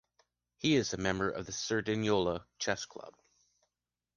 He is a member of the Cerdanyola chess club.